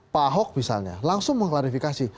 pak ahok misalnya langsung mengklarifikasi